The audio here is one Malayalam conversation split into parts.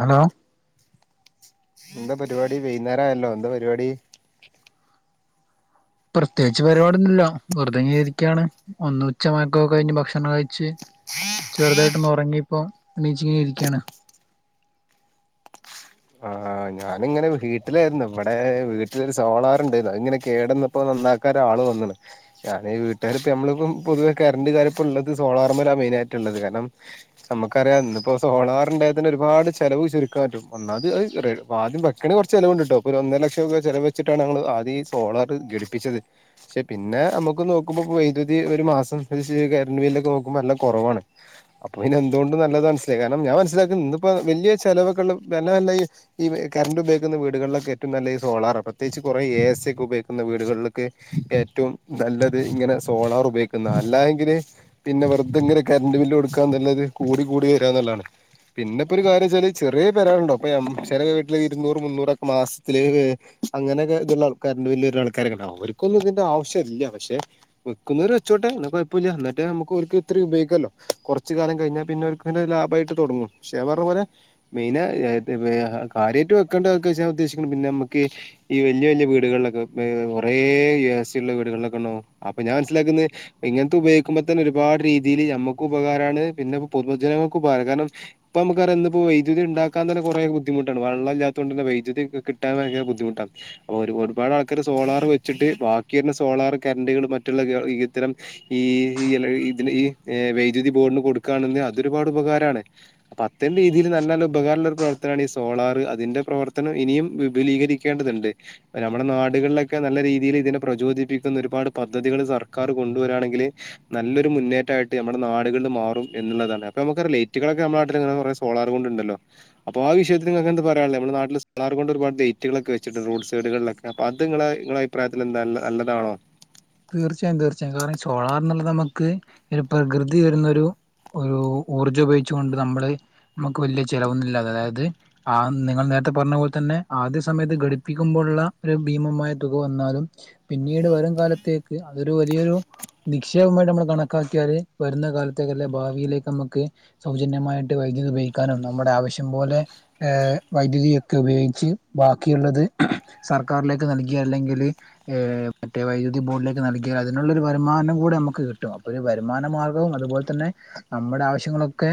ഹലോ എന്താ പരിപാടീ വൈന്നേരായല്ലോ എന്താ പരിപാടീ പ്രത്യേകിച്ച് പരിപാടിയൊന്ന്ല്ല വെറുതെങ്ങനെ ഇരിക്കാണ് ഒന്ന് ഉച്ചമയക്കൊക്കെ കയ്ഞ്ഞ് ഭക്ഷണം കയിച്ച് ചെറുതായിട്ടൊന്ന് ഒറങ്ങിയപ്പോ എണീച്ചിങ്ങിനിരിക്കാണ് ആഹ് ഞാനിങ്ങനെ വീട്ടിലാരുന്നു ഇവ്ടെ വീട്ടിലൊരു സോളാറുണ്ടാരുന്നു അതിങ്ങനെ കേടന്ന് ഇപ്പൊ നന്നാക്കാനൊരാള് വന്നണ് കാരണം ഈ വീട്ടുകാരിപ്പ ഞമ്മളിപ്പം പൊതുവേ കരണ്ട് കാര്യപ്പോള്ളത് സോളാർമേലാ മെയിനായിട്ടിള്ളത് കാരണം നമ്മക്കറിയാം ഇന്നിപ്പോ സോളാറിണ്ടായെതന്നെ ഒരുപാട് ചെലവ് ചുരുക്കാല്ലോ ഒന്നാത് അത് റെ വാദ്യം ബക്കണേ കൊറച്ച് ചെലവ്ണ്ട്ട്ടോ പ്പൊരുഒന്നര ലക്ഷം രൂപ ചെലവെയ്ച്ചിട്ടാണ് അങ്ങള് ആദ്യെ ഈ സോളാറ് ഘടിപ്പിച്ചത് പക്ഷെ പിന്നെ അമുക്ക് നോക്കുമ്പോ വൈദ്യുതി ഒരു മാസം പ്പംച്ചിരി കരണ്ട് ബില്ലൊക്കെ നോക്കുമ്പോ നല്ല കൊറവാണ് അപ്പവിന്നെ എന്തുകൊണ്ടും നല്ലതൻസ്സിലായി കാരണം ഞാൻ മനസിലാക്കുന്നു ഇന്നിപ്പോ വെല്ല്യ ചെലവക്കള്ള പിന്നെ നല്ല ഈ ഈ കറന്റ് ഉപയോഗിക്കുന്ന വീടുകളിലക്കെ ഏറ്റോം നല്ലത് സോളാറ പ്രത്യേകിച്ച് കൊറേ എ സി യക്കെ ഉപയോഗിക്കുന്ന വീടുകള്ല്. ക്കെ ഏറ്റവും നല്ലത് ഇങ്ങനെ സോളാർ ഉപയോഗിക്കുന്ന അല്ലായെങ്കില് പിന്നെ വെർതെങ്ങനെ കറണ്ട്റ് ബില്ല് കൊടുക്കാന്നല്ലത് കൂടി കൂടി വരാ ന്നലതെ. പിന്നെപ്പ ഒരു കാര്യച്ചാല് ചെറിയ പെരകൾണ്ടോ അപ്പയമ്മ് ചെല വീട്ടില് ഇരുന്നൂറ് മുന്നൂറൊക്കെ മാസത്തില് വെ അങ്ങനക്കെ ഇതുള്ള ആൾക്കാറണ്ട് വലിയൊരു ആൾക്കാരൊക്കെണ്ടാവും അവർക്കൊന്നും ഇതിന്റെ ആവശ്യല്ല പക്ഷെ വെക്കുന്നവര് വെച്ചോട്ടെ എന്ന കൊഴപ്പല്ല എന്നിട്ട് നമുക്കോൽക്കു ഇത്ര ഉപയോഗിക്കല്ലോ കൊറച്ച് കാലം കഴിഞ്ഞാൽ പിന്നെ ഓര്ക്ക്‌ ഇങ്ങനൊരു ലാഭായിട്ട് തൊടങ്ങും പക്ഷേ ഞാൻ പറഞ്ഞ പോലെ മെയിനായിട്ട് കാര്യായിട്ട് വെക്കേണ്ടതക്കെ [unintelligible] ഉദ്ദേശിക്കണം പിന്നെ നമ്മക്ക് ഈ വെല്ല്യ വെല്ല്യ വീടുകളിലക്കെ കൊറെ എസ് സി ള്ള വീടുകളിലക്കെണ്ടാവും. അപ്പൊ ഞാൻ മനസ്സിലാക്കുന്നെ ഇങ്ങനത്തെ ഉപയോഗിക്കുമ്പ തന്നെ ഒരുപാട് രീതിയില് നമ്മക്ക് ഉപകാരമാണ് പിന്നെ പൊതുജനങ്ങൾക്ക് ഉപകാരം കാരണം ഇപ്പമ്മക്കറിയാ ഇന്നിപ്പോ വൈദ്യുതി ഇണ്ടാക്കാൻ തന്നെ കൊറേ ബു ദ്ധിമുട്ടാണ് വെള്ളല്ലാത്തോണ്ട് വൈദ്യു കിട്ടാൻ ഭയര ബുദ്ധിമുട്ടാണ്. ഒരു ഒരുപാട് ആൾക്കാര് സോളാർ വെച്ചിട്ട് ബാക്കിവർണ സോളാർ കറന്റുകൾ മറ്റുള്ള ഈ ഇത്തരം ഈ ഈയെല്ല ഇതിന് ഈ വൈദ്യുതി ബോർഡിന് കൊടുക്കുകണെന്ന് അതൊരുപാട് ഉപകാരാണ്. അത്രേം രീതില് നല്ലല്ല ഉപകാരള്ളൊരു പ്രവർ ത്താണി സോളാറ് അതിന്റെ പ്രവർത്തനം ഇനിയും വിപുലീകരിക്കേണ്ടതുണ്ട്. നമ്മളെ നാടുകളിലക്കെ നല്ല രീതിയില് ഇതിനെ പ്രചോദിപ്പിക്കുന്ന ഒരുപാട് പദ്ധതികള് സർക്കാറ് കൊണ്ടുവരാണെങ്കില് നല്ലൊരു മുന്നേറ്റായിട്ട് നമ്മടെ നാടുകളില് മാറും എന്നുള്ളതാണ് അപ്പമുക്ക് റിലേറ്റുകളക്കെ നമ്മടെ നാട്ടില്ങ്ങനെ കൊറേ സോളാറ് കൊണ്ടുണ്ടല്ലോ. അപ്പോ ആ വിഷയത്തി നിങ്ങൾക്കെന്ത് പറയാൻഉള്ളത്. നമ്മളെ നട്ടില് സ്റ്റാർ കൊണ്ട് ഒരുപാട് ലേറ്റുകളൊക്കെ വച്ചിട്ട് റോട് സൈഡുകളിലക്കെ അപ്പത് ങ്ങളെ ങ്ങള അയി അബിപ്രയത്തിലെന്താ എല്ല നല്ലതാണോ? തീർച്ചായും തീർച്ചായും. കാരണം സോളാർ എന്നുള്ളത് നമക്ക് പ്രകൃതി തരുന്നൊരു ഒരു ഊർജ്ജംപയോഗിച്ചു കൊണ്ട് നമ്മള് നമുക്ക് വെല്ല്യ ചെലവൊന്നില്ലാതെ അതായത് ആഹ് നിങ്ങൾ നേരത്തെ പറഞ്ഞ പോലെ തന്നെ ആദ്യ സമേത്ത് ഘടിപ്പിക്കുമ്പോഴുള്ള ഒരു ഭീമമായ തുക വന്നാലും. പിന്നീട് വരും കാലത്തേക്ക് അതൊരു വലിയൊരു നിക്ഷേപമായിട്ട് നമ്മള് കണക്കാക്കിയാല് വരുന്ന കാലത്തേക്കല്ല ഭാവിയിലേക്കമ്മക്ക് സൗജന്യമായിട്ട് വൈദ്യുതി ഉപയോഗിക്കാനും നമ്മടെ ആവിശ്യം പോലെ ഏഹ് വൈദ്യുതിയക്കെ ഉപയോഗിച്ച് ബാക്കിയുള്ളത്. സർക്കാറിലേക്ക് നൽകി അല്ലെങ്കില് മറ്റേ വൈദ്യു തി ബോഡിലേക്ക് നൽകിയാൽ അതിനുള്ളരു വരുമാനം കൂടെ അമക്ക് കിട്ടും അപ്പോ ഒരു വരുമാന മാർഗവും അതുപോൽ തന്നെ നമ്മടെവിശ്യങ്ങളൊക്കെ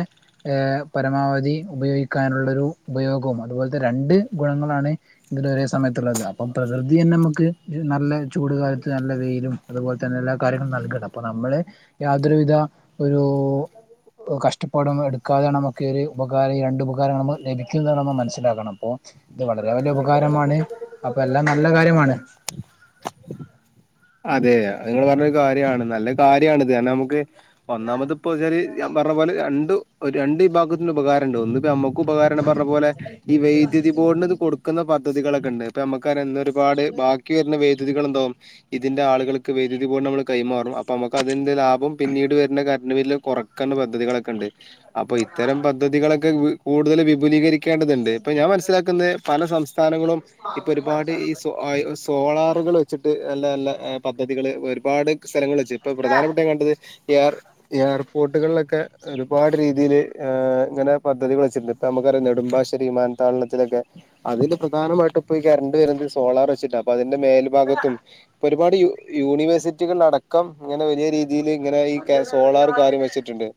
ഏഹ് പരമാവധി ഉപയോഗിക്കാനുള്ളരു ഉപയോഗവും അതുപോലത്തെ രണ്ട് ഗുണങ്ങളാണ് ഇതിനൊരേ സമേത്തുള്ളത് അപ്പം പ്രകൃതി തന്നമുക്ക് നല്ല ചൂട്കാലത്ത് നല്ല വെയിലും അതുപോൽ തന്നെ എല്ലാ കാര്യങ്ങളും നൽകാണ് അപ്പ നമ്മള് യാതൊരു വിധ ഒരു കഷ്ടപാടും എടുക്കാതെയാണ് അമക്ക് ഉപകാരം ഈ രണ്ട് ഉപകാരങ്ങമ്മള് ലഭിക്കുന്നത് ന്നമ്മൾ മനസ്സിലാക്കണം. അപ്പോ ഇത് വളരെ വല്ല്യ ഉപകാരമാണ് അപ്പല്ലാം നല്ല കാര്യമാണ്. അതെ നിങ്ങള് പറഞ്ഞൊരു കാര്യാണ്. നല്ല കാര്യണത് കാർണമുക്ക് ഒന്നാമത് ഇപ്പോച്ചാല് പറഞ്ഞ പോലെ രണ്ടു രണ്ട് വിഭാഗത്തിന് ഉപകാരണ്ട്. ഒന്നിപ്പ യമ്മ ഉപകാരണ്ട് പറഞ്ഞ പോലെ ഈ വൈദ്യുതി ബോർഡിന് ഇത് കൊടുക്കുന്ന പദ്ധതികളൊക്കെണ്ട് ഇപ്പമ്മക്കറിയ ഇന്നൊരു പാട് ബാക്കി വെരുന്ന വൈദ്യുതികള്ണ്ടാകും ഇതിന്റെ ആളുകൾക്ക് വേദ്യുതി കള് പോലമ്മള് കൈമാറും. പ്പമക്ക്‌ അതിന്റെ ലാഭം പിന്നീട് വെരുന്ന കരന്റ് ബില്ല് കൊറക്കൻള്ളെ പദ്ധതികളക്കെണ്ട്. അപ്പ ഇത്തരം പദ്ധതികളക്കെ കൂടുതൽ വിപുലീകരി ക്കേണ്ടതുണ്ട് ഇപ്പൊ ഞാൻ മനസ്സിലാക്കുന്നത് പല സംസ്ഥാനങ്ങളും. ഇപ്പൊ ഒരുപാട് ഈ ശ സോളാറുകള് വെച്ചിട്ട് നല്ല നല്ല ഏ പദ്ധതികള്, ഒരുപാട് സ്ഥലങ്ങള് വെച്ച് ഇപ്പൊ പ്രധാനപ്പെട്ട കണ്ടത്, ഏർ ഏർപോർട്ടുകളിലൊക്കെ ഒരുപാട് രീതീല് ഏ ഇങ്ങനെ പദ്ധതികൾ വെച്ചിട്ട്ണ്ട്. ഇപ്പൊ നമ്മക്കറിയാ നെടുമ്പാശ്ശേരി വിമാനത്താവളത്തിലൊക്കെ അതില് പ്രധാനമായിട്ടും ഇപ്പൊ ഈ കറണ്ട് വരുന്നത് സോളാർ വെച്ചിട്ടാ, അപ്പൊ അതിന്റെ മേൽഭാഗത്തും ഇപ്പൊരുപാട് യൂ യൂണിവേഴ്സിറ്റികളട ക്കം ഇങ്ങനെ വലിയ രീതിയില് ഇങ്ങനെ ഈ കെ സോളാറ് കാര്യം വെച്ചിട്ട്ണ്ട്.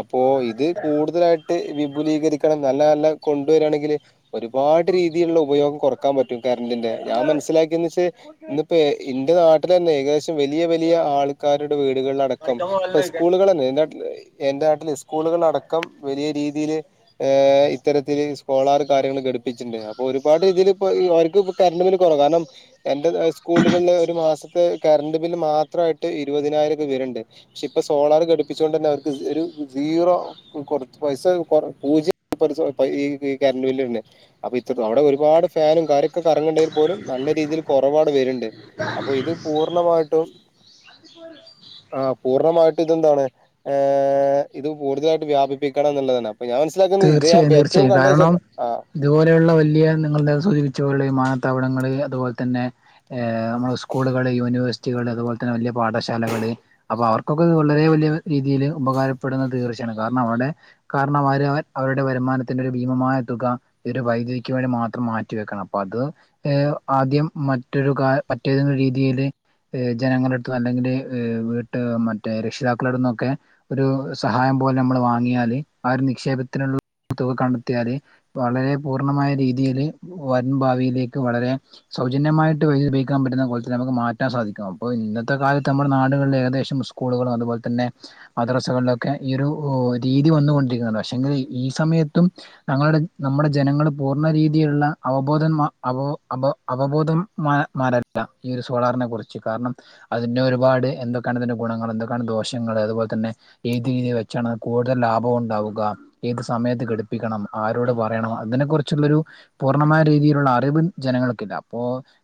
അപ്പോ ഇത് കൂടുതലായി ട്ട് വിപുലീകരിക്കണം, നല്ല നല്ല കൊണ്ടുവരാണെങ്കില് ഒരുപാട് രീ രീതിയില്ള്ള ഉപയോഗം കൊറക്കാൻ പറ്റും കറണ്ടിന്റെ. ഞാൻ മനസ്സിലാക്കിയെന്ന് വെച്ച് ഇപ്പേ ഇന്റെ നാട്ടിലെന്നെ ഏകദേശം വലിയ വലിയ ആൾക്കാരുടെ വീടുകളിലടക്കം, ഇപ്പ സ്കൂളുകളെന്നെ എന്റെ നാട്ടില്, എന്റെ നാട്ടില് സ്കൂളുകളിലടക്കം വലിയ രീതിയില് ഏഹ് ഇത്തരത്തില് സോളാറ് കാര്യങ്ങള് ഘടിപ്പിച്ചിണ്ട്. അപ്പൊ ഒരുപാട് ഇതിലിപ്പൊ അവർക്ക് ഇ കറണ്ട് ബില്ല് കൊറവാ കാരണം എന്റത് സ്കൂളുകളില് ഒരു മാസത്തെ കറണ്ട് ബില്ല് മാത്രായിട്ട് ഇരുപതിനായിരൊക്കെ വെര്ണ്ട്. പക്ഷെ ഇപ്പൊ സോളാറ് ഘടിപ്പിച്ചോണ്ടെന്നെ അവർക്ക് ഒരു സീറോ കൊർച് പൈസ കൊർ പൂജ്യ [unintelligible] ഈ ഈ കറണ്ട് ബില്ല് വെര്നെ. അപ്പൊ ഇത്ര അവിടെ [unintelligible] ഒരുപാട് ഫാനും കാര്യൊക്കെ കറങ്ങ്ണ്ടെേൽ പോലും നല്ല രീതിയിൽ കൊറവൗടെ വര്ണ്ട്. അപ്പോ ഇത് പൂർണ്ണമായിട്ടും ആഹ് പൂർണ്ണമായിട്ടും ഇതെന്താണ് ഏഹ് ഇത് കൂടുതലായിട്ട് വ്യാപിപ്പിക്കണംന്ന്ള്ളതാണ്. അപ്പൊ ഞാൻ മനസ് മനസ്സിലാക്കുന്നത് ഇത് ഞാൻ തീർച്ചയായും ഏറ്റവും തീർച്ചയായും കണ്ട കാരണം [unintelligible] ആഹ് ഇതുപോലെയുള്ള വലിയ നിങ്ങള് സൂചിപ്പിച്ച പോലുള്ള വിമാനത്താവളങ്ങള് അതുപോലെ തന്നെ ഏഹ് നമ്മളെ സ്കൂളുകള്, യൂണിവേഴ്സിറ്റികള്, അതുപോലെത്തന്നെ വലിയ പാഠശാലകള് അപ്പൊ അവർക്കൊക്കെ ഇത് വളരെ വലിയ രീതിയില് ഉപകാരപ്പെടുന്നത് തീർച്ചയാണ് കാരണം, അവടെ കാരണം [unintelligible] അവരുടെ വരുമാനത്തിന്റെ ഒരു ഭീമമായ തുക ഈ ഒരു വൈദ്യുതിക്ക് വേണ്ടി മാത്രം മാറ്റി വെക്കണം. അപ്പൊ അത് ഏർ ആദ്യം മറ്റൊരു കാ മറ്റൊരു രീതിയില് ഏഹ് ജനങ്ങളെട്ത്തു അല്ലെങ്കില് വീട്ട് മറ്റേ രക്ഷിതാക്കളെട്ത്ത്ന്നൊക്കെ ഒരു സഹായം പോലെ നമ്മള് വാങ്ങിയാല്, ആ ഒരു നിക്ഷേപത്തിനുള്ള തുക കണ്ടെത്തിയാല് വളരെ പൂർണ്ണമായ രീതിയില് വരും ഭാവിയിലേക്ക് വളരെ സൗജന്യമായിട്ട് വൈദ്യുതി ഉപയോഗിക്കാൻ പറ്റുന്ന കോലത്തില്നമുക്ക് മാറ്റാൻ സാധിക്കണം. അപ്പോ ഇന്നത്തെ കാലത്ത് നമ്മുടെ നാടുകളില് ഏകദേശം സ് സ്കൂളുകളും അതുപോലെത്തന്നെ മദ്രസകളിലൊക്കെ ഈ ഒരു രീതി വന്നു കൊണ്ടിരിക്ക്ന്ന് ണ്ട്, പക്ഷെങ്കില് ഈ സമയത്തും ഞങ്ങളുടെ നമ്മുടെ ജനങ്ങള് പൂർണ്ണ രീതിയില്ള്ള അവബോധന്മാ അവോ അബോ അവബോധം [unintelligible] ഈ ഒരു സോളാറിനെ കുറിച്ച് കാരണം അതിന്റെ ഒരുപാട് എന്തൊക്കെയാണിതിന്റെ ഗുണങ്ങള്, എന്തൊക്കാണ് ദോഷങ്ങള് അതുപോലെത്തന്നെ ഏത് രീതിയിൽ വെച്ചാണ് കൂടുതൽ ലാഭം ഉണ്ടാവുക ഏത് സമയത്ത് ഘടിപ്പിക്കണം? ആരോട് പറയണം? അങ്ങനെ കൊർച്ചുള്ളൊരു പൂർണ്ണമായ രീതിയിലുള്ള അറിവും ജനങ്ങൾക്കില്ല, അപ്പോ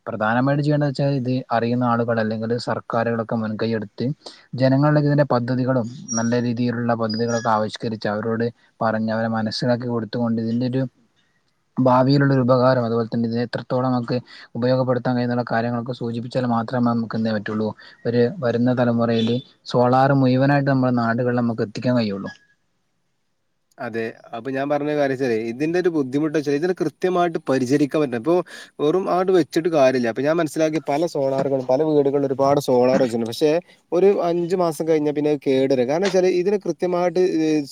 പ്രധാനമായിട്ട് ചെയ്യേണ്ടെന്ന് വെച്ചാൽ ഇത് അറിയുന്ന ആളുകള് അല്ലെങ്കില് സർക്കാരുകളൊക്കെ മുൻകയ്യെടുത്ത് ജനങ്ങളോട് ഇതിൻ്റെ പദ്ധതികളും നല്ല രീതിയിലുള്ള പദ്ധതികളൊക്കെ ആവിഷ്കരിച്ച് അവരോട് പറഞ്ഞവരെ മനസ്സിലാക്കി കൊടുത്തുകൊണ്ട് ഇതിന്റെ ഒരു ഭാവിയിലുള്ളൊരു ഉപകാരം, അതുപോലെത്തന്നെ ഇതിനെ എത്രത്തോളം നമുക്ക് ഉപയോഗപ്പെടുത്താൻ കഴിയുന്നുള്ള കാര്യങ്ങളൊക്കെ സൂചിപ്പിച്ചാൽ മാത്രമേ നമുക്ക് എന്തയ്യാൻ പറ്റുള്ളൂ ഒര് വരുന്ന തലമുറയില്, സോളാർ മുഴുവനായിട്ട് നമ്മുടെ നാടുകളില് നമുക്ക് എത്തിക്കാൻ കഴിയുള്ളൂ. അതെ. അപ്പൊ ഞാൻ പറഞ്ഞ കാര്യച്ചാലെ, ഇതിന്റെ ഒരു ബുദ്ധിമുട്ടെച്ചാല് ഇതിന് കൃത്യമായിട്ട് പരിചരിക്കാൻ പറ്റുല, അപ്പൊ വെറും ആട്ട് വെച്ച്ട്ട് കാര്യല്ല, അപ്പൊ ഞാൻ മനസ്സിലാക്കി പല സോളാറുകളും പല വീടുകളില് ഒരുപാട് സോളാറ് വെച്ചിട്ടുണ്ട് പക്ഷെ ഒരു അഞ്ചു മാസം കഴിഞ്ഞാൽ പിന്നെ കേടുര കാരണം ച്ചാല് ഇതിനെ കൃത്യമായിട്ട്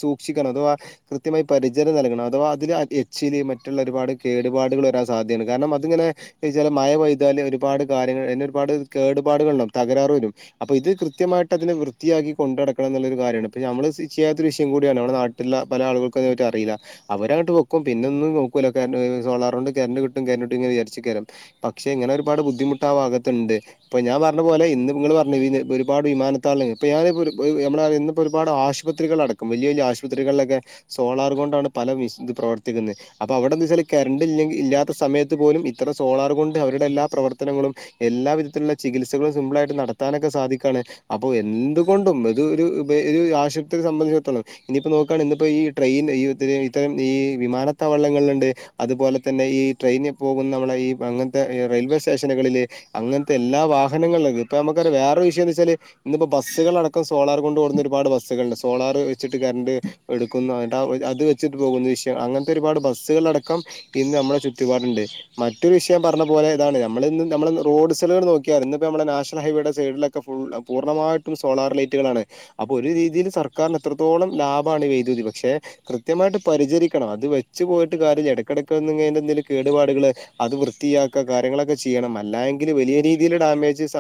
സൂക്ഷിക്കണം അഥവാ കൃത്യമായി പരിചര നൽകണം അഥവാ അതില് എച്ചില് മറ്റുള്ള ഒരുപാട് കേടുപാടുകൾ വരാ സാധ്യതയാണ് കാരണം അതിങ്ങനെ ചച്ചാൽ മഴ പെയ്താല് ഒരുപാട് കാര്യങ്ങൾ ഒരുപാട് കേടുപാടുകളുണ്ടാവും തകരാറ് വരും അപ്പൊ ഇത് കൃത്യമായിട്ട് അതിനെ വൃത്തിയാക്കി കൊണ്ടടക്കണം എന്നുള്ളൊ കാര്യമാണ് ഇപ്പൊ നമ്മള് ചെയ്യാത്തരുഷയം കൂടിയാണ് നമ്മുടെ നാ ട്ടില് പല ആളുൾക്കും അയ്നെ പറ്റി അറീല അവരങ്ങട്ട് വെക്കും പിന്നെ ഒന്നും നോക്കുല്ല [unintelligible] സോളാറോണ്ട് കരണ്ട് കിട്ടും കരണ്ട് കിട്ടുംങ്ങന വിചാരിച്ചയ്കരം പക്ഷെ ഇങ്ങനെ ഒരുപാട് ബുദ്ധിമുട്ട് ആ ഭാഗത്തുണ്ട് ഇപ്പൊ ഞാൻ പർഞ്ഞ പോലെ ഇന്ന് ഇങ്ങള് പർഞ്ഞ [unintelligible] ഒരുപാട് വിമാനത്താളങ്ങ [unintelligible] ഞമ്മളാ ഇന്ന് ഇപ്പോ ഒരുപാട് ആശ പത്രികൾ അടക്കം വലിയ വലിയ ആശുപത്രികളിലൊക്കെ സോളാർ കൊണ്ടാണ് പല ബിസി ഇത് പ്രവർത്തിക്കുന്നത് അപ്പൊ അവിടെ എന്ത വെച്ചാൽ കറണ്ട് ഇല്ലെങ്കിൽ ഇല്ലാത്ത സമയത്ത് പോലും ഇത്രം സോളാർ കൊണ്ട് അവരുടെ എല്ലാ പ്രവർത്തനങ്ങളും എല്ലാ വിധത്തിലുള്ള ചികിത്സകളും സിമ്പിളായിട്ട് നടത്താനൊക്കെ സാധിക്കാണ് അപ്പൊ എന്തുകൊണ്ടും ഇത് ഒരു ഒരു ആശുപത്രി സംബന്ധിച്ചിടത്തോളം ഇനിയിപ്പോൾ നോക്കാണ് ഇന്നിപ്പോൾ ഈ ട്രെയിൻ ഈ ഇത്തി ഇത്തരം ഈ വിമാനത്താവളങ്ങളില്ണ്ട് അതുപോലെ തന്നെ ഈ ട്രെയിനിൽ പോകുന്ന നമ്മളെ ഈ അങ്ങൻത്തെ റെയിൽവേ സ്റ്റേഷനുകളില് അങ്ങൻത്തെ എല്ലാ വാഹനങ്ങൾ ലൊക്കെ ഇപ്പൊ നമുക്ക വേറെ വിഷയംന്താ ന്നു വെച്ചാല് ഇന്നിപ്പോ ബസ്സുകളടക്കം സോളാർ കൊണ്ട് ഓടുന്ന ഒരുപാട് ബസ്സുകളുണ്ട് സോളാർ വെച്ചി ട്ട് കറണ്ട് എടുക്കുന്ന [unintelligible] അത് വെച്ചിട്ട് പോകുന്ന വിഷയം അങ്ങൻത്തെ ഒരുപാട് ബസ്സുകൾലടക്കം ഇന്ന് നമ്മള ചുറ്റുപാട്ണ്ട് മറ്റൊരു വിഷയം പറഞ്ഞ പോലെ ഇതാണ് നമ്മൾ ഇന്ന് നമ്മള് റോഡ്സുകൾ നോക്കിയാന്ന് ഇപ്പോ നമ്മ നാഷൽ ഹൈവേയുടെ സൈഡിൽക്കെ പൂ പൂർണമായിട്ടും സോളാർ ലൈറ്റുകളാണ് അപ്പൊ ഒരു രീതിയിൽ സർക്കാരിന് എത്ര ത്രത്തോളം ലാഭാണ് വൈതുതി പക്ഷെ കൃത്യമായിട്ട് പരിചരിക്കണം അത് വെച്ച് പോയിട്ട് കാര്യം ഇല്ല ഇടക്കിടക്കന്ന് ങ്ങനെ എന്തേലും കേടുപാടുകള് അത് വൃത്തിയാക്ക കാര്യങ്ങളൊക്കെ ചെയ്യണം അല്ലായെങ്കിൽ വലിയ രീതിയിൽ ഡാമേജ് സ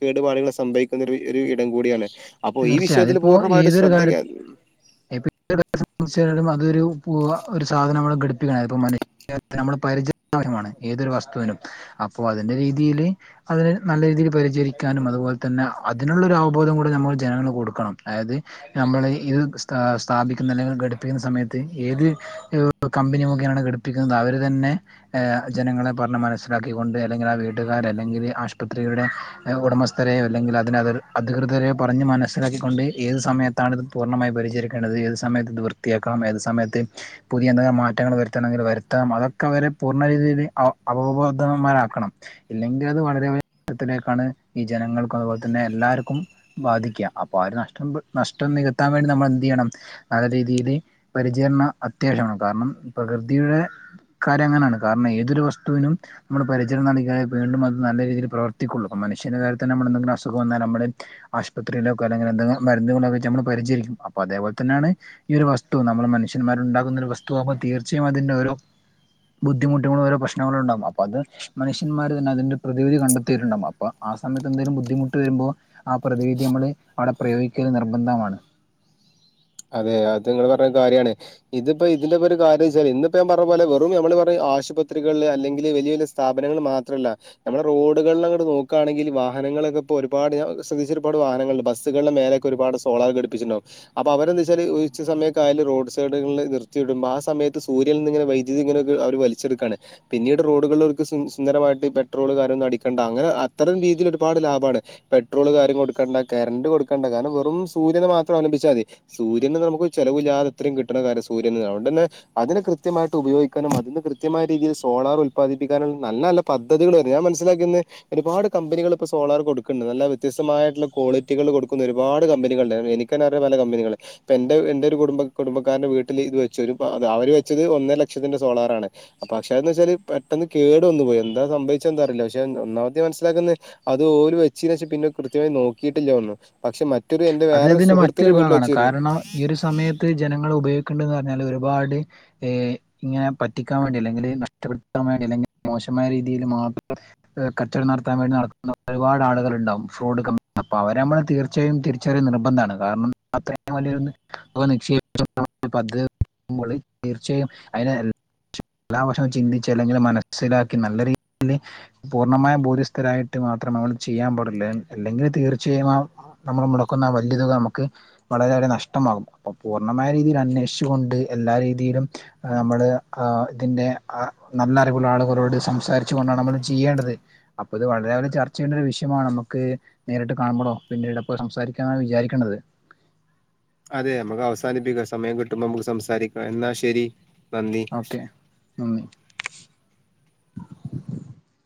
കേട്പാട്കൾസംഭവി [unintelligible] ഒര്ഇടം കൂടിയാണ് അപ്പോ ഈ തീർച്ചയായും വിഷയത്തിൽ അതിപ്പോ പൂർണ്ണമായിട്ട് ഏതൊരു ശ്രദ്ധ കെ കാര്യ [unintelligible] അതൊരു പൂ ഒരു സാധനം നമ്മള് ഘടിപ്പിക്ക്യ യത് ഇപ്പൊ [unintelligible] നമ്മള് പരിച [unintelligible] മാണ് ഏതൊരു വസ്തുവിനും അപ്പോ അതിന്റെ രീതിയില് അതിനെ നല്ല രീതിയിൽ പരിചരിക്കാനും അതുപോലെ തന്നെ അതിനുള്ളൊ ഒരു അവബോധം കൂടെ നമ്മൾ ജനങ്ങൾ കൊടുക്കണം അതായത് നമ്മൾ ഇത് സ്താ സ്ഥാപിക്കുന്ന അല്ലെങ്കിൽ ഘടിപ്പിക്കുന്ന സമയത്ത് ഏത് കമ്പനി മുഖേനാണ് ഘടിപ്പിക്കുന്നത് അവർ തന്നെ ജനങ്ങളെ പറഞ്ഞ് മനസ്സിലാക്കിക്കൊണ്ട് അല്ലെങ്കിൽ ആ വീട്ടുകാര് അല്ലെങ്കിൽ ആശുപത്രിയുടെ ഉടമസ്ഥരെയോ അല്ലെങ്കിൽ അതിനന് അധികൃതരെ പറഞ്ഞ് മനസ്സിലാക്കിക്കൊണ്ട് ഏത് സമയത്താണ്ത് പൂർണമായി പരിചരിക്കേണ്ടത് ഏത് സമയത്ത് ഇത് വൃത്തിയാക്കണം ഏത് സമയത്ത് പുതിയ എന്തെങ്കിലും മാറ്റങ്ങൾ വരുത്തണമെങ്കിൽ വരുത്തണം അതൊക്കെ അവരെ പൂർണ്ണ രീതിയില് അവ അവബോധമാരാക്കണം ഇല്ലെങ്കിൽ അത് വളരെ വത്തിലേക്കാണ് ഈ ജനങ്ങൾക്കും അതുപോലെ തന്നെ എല്ലാർക്കും ബാധിക്ക അപ്പൊ ആ ഒരു നഷ്ടം നഷ്ടം നികത്താൻ വേണ്ടി നമ്മൾ എന്ത് ചെയ്യണം നല്ല രീതിൽ പരിചരണം അത്യാവശ്യമാണ് കാരണം പ്രകൃതിയുടെ കാരം അങ്ങനെയാണ് കാരണം ഏതൊരു വസ്തുവിനും നമ്മള് പരിചരണം നൽകിയാലേ വീണ്ടും അത് നല്ല രീതിയിൽവർത്തിക്കുള്ളൂ മനഷ്യന്റെ കാര്യ തന്ന നമ്മ എന്തെങ്കിലും അസുഖം വന്നൽ നമ്മള് ആശുപത്രിയിലൊക്കെ അല്ലെങ്ക എന്തെങ്കിലും മുന്നുകളൊക്കെ നമ്മൾ പരിചരിക്കും അപ്പോ അതേപോലെ തന്നെയാണ് ഈ ഒരു വസ്തു നമ്മൾ മനുഷ്യന്മാരു ഉണ്ടാകുന്ന ഒരു വസ്തു ആവുമ്പോ തീർച്ചയും അതിന്റെ ഓരോ ബുദ്ധിമുട്ടുകളും ഓരോ പ്രശ്നങ്ങള് ഉണ്ടവും അത് മനുഷ്യമാര് തന്നെ അതിന്റെ പ്രതിവിധി കണ്ടെത്തിയിട്ടുണ്ടാകും അപ്പ ആ സമയത്ത് എന്തെലും ബദ്ധിമുട്ട് വരുമ്പോ ആ പ്രതിവിധി നമ്മൾ അവിടെ പ്രയോഗിക്കൽ നിർബന്ധമാണ് അതെ അത് നിങ്ങള് പറഞ്ഞ കാര്യാണ് ഇതിപ്പോ ഇതിന്റെ ഒരു കാര്യം വെച്ചാ ഇത്പ്പോ ഇതിന്റെക്കെ ഒരു കാര്യംച്ചാ ഇന്നിപ്പോ പറഞ്ഞ പോലെ വെറും നമ്മള് പറയും ആശുപത്രികളിൽ അല്ലെങ്കിൽ വെല്ല്യ വലിയ സ് സ്ഥാപനങ്ങൾ മാത്രല്ല നമ്മുടെ റോഡുകളിലങ്ങട് നോക്കാണെങ്കിൽ വാഹനങ്ങളൊക്കെ ഇപ്പൊ ഒരുപാട് ശ്രദ്ധിച്ച ഒരുപാട് വാഹങ്ങൾ ബസുകളുടെ മേലെ ക്ക്‌ ഒരുപാട് സോളാർ ഘടിപ്പിച്ചട്ടണ്ടാകും അ അപ്പോൾ അവരെന്താച്ചാൽ ഉച്ച സമയക്കായാൽ റോഡ് സൈഡിൽ നിർത്തിടുമ്പോൾ ആ സമയത്ത് സൂര്യനിനിങ്ങനെ വൈദ്യുതി ഇങ്ങനെ അവര് വലിച്ചു ചെടുക്കാണ് പിന്നീട് റോഡുകളൾ ർക്ക് സുന്ദരമായിട്ട് പെട്രോള് കാര്യൊന്നും അടിക്കണ്ട അങ്ങനെ അത്തരം രീതിയിൽ ഒരുപാട് ലാഭമാണ് പെട്രോള് കാര്യം കൊടുക്കണ്ട കറണ്ട് കൊടുക്കണ്ട കാരണം വെറും സൂര്യനെ മാത്രം അവലംഭിച്ചാ മതി സൂര്യന് നമുക്ക്‌ ചെലവില്ലാതത്രയും കിട്ടുന്ന കാര്യ സൂര്യന് അതൊണ്ട് തന്നെ അതിന് കൃത്യമായിട്ട് ഉപയോഗിക്കാനും അതിന് കൃത്യമായ രീതിൽ സോളാർ ഉല്പാദിപ്പിക്കാനും നല്ല നല്ല പദ്ധതികള് വരും ഞാൻ മനസിലാക്കുന്നെ ഒരുപാട് കമ്പനികള് ഇപ്പൊ സോളാർ കൊടുക്കണ്ട് നല്ല വ്യത്യസ്മായട്ടോള്ള ക്വാളിറ്റികൾ കൊടുക്കുന്ന ഒരുപാട് കമ്പനികളില് എനി ക്ക് തന്നെ അറിയാം പല കമ്പനികളെ ഇപ്പ എന്റെ എന്റെ ഒരു കുടുംബ കുടുംബക്കാരന്റെ വീട്ടില് ഇത് വെച്ചു ഒരു പ അവര് വെച്ചത് ഒന്നര ലക്ഷത്തിന്റെ സോളാറാണ് പക്ഷേ എന്ന് വെച്ചാല് പെട്ടെന്ന് കേടു വന്നു പോയി എന്താ സംഭവിച്ച എന്ത അറിയില്ല പക്ഷെ ഒന്നാമത്തെ മനസ്സിലാക്കുന്നെ അത് ഓല് വെച്ചയിന് ശേഷം പിന്നെ കൃത്യമായി നോക്കിയിട്ടില്ല ഒന്നും പക്ഷെ മറ്റൊരു എന്റെ അത് വേറൊരു ഇതിന്റെ മറ്റൊരു സുഹൃത്തിന്റെ വീട്ടിൽ ഭാഗമാണ് വെച്ചിരുന്നു കാരണം ഈ ഒരു സമയത്ത് ജനങ്ങള് ഉപയോഗിക്കേണ്ടെന്ന് പറഞ്ഞാല് ഒരുപാട് ഏ ഇങ്ങനെ പറ്റിക്കാൻ വേണ്ടി അല്ലെങ്കില് നഷ്ടപ്പെടുത്താൻ വേണ്ടി അല്ലെങ്കില് മോശമായ രീതിയിൽ മാത്രം ഏ കച്ചവടം നടത്താൻ വേണ്ടി നടത്തുന്ന ഒരുപാട് ആളുകൾ എണ്ടാവും ഫ്രോഡ് കമ്പനി അപ്പോ അവരെ അമ്മള് തീർച്ചയായും തി ചെറിയ നിർബന്ധാണ് കാരണം അത്രയും വലിയൊരു തോക നിക്ഷേപിച്ച കൊണ്ട് ആണ് പദ്ധ മ്മള് തീർച്ചയായും അയിനെ ൽ എല്ലാ വശവും ചിന്തിച്ച് അല്ലെങ്കില് മനസ്സിലാക്കി നല്ല രീതിയില് പൂർണ്ണമായ ബോധ്യസ്ഥരായിട്ട് മാത്രം നമ്മള് ചെയ്യാൻ പാടില്ല അല്ലെങ്കിൽ തീർച്ചയായും ആ നമ്മള് മുടക്കുന്ന ആ വല്യ തുക നമുക്ക് വളരെയേറെ നഷ്ടമാകും അപ്പൊ പൂർണ്ണമായ രീതിയിൽ അന്വേഷിച്ചു കൊണ്ട് എല്ലാ രീതിയിലും ആ നമ്മള് ആ ഇതിന്റെ ആ നല്ല അറിവുള്ള ആളുകളോട് സംസാരിച്ചു കൊണ്ടാണ് നമ്മള് ചെയ്യേണ്ടത് അപ്പൊ ഇത് വളരെ ഒരു ചർച്ച ചെയ്യേണ്ട ഒരു വിഷയമാണ് നമക്ക് നേരിട്ട് കാണുമ്പളോ പിന്നീട് എപ്പോ സംസാരിക്കാന്ന് വിചാരിക്കേണ്ടത് അതെ അമക്ക് അവസാനിപ്പിക്കാം സമയം കിട്ടുമ്പോ അമുക്ക് സംസാരിക്കാം എന്നാ ശരി നന്ദി ഓക്കെ നന്ദി